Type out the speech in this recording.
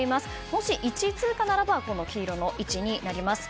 もし１位通過ならば黄色の位置になります。